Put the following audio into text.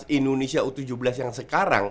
indonesia u tujuh belas yang sekarang